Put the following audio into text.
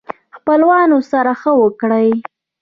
خپلوانو سره ښه وکړئ